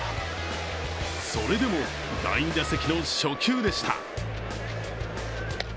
それでも、第２打席の初球でした。